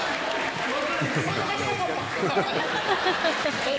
「ハハハハッ」